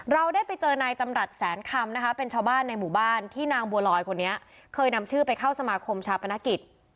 เราได้ไปเจอนายจำรัฐแสนคำนะคะเป็นชาวบ้านในหมู่บ้านที่นางบัวลอยคนนี้เคยนำชื่อไปเข้าสมาคมชาปนกิจ